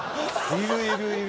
いるいるいる。